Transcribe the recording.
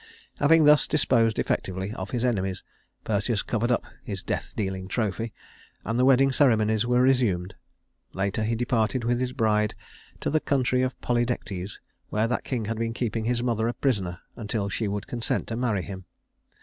Having thus disposed effectively of his enemies, Perseus covered up his death dealing trophy, and the wedding ceremonies were resumed. Later he departed with his bride to the country of Polydectes, where that king had been keeping his mother a prisoner until she would consent to marry him.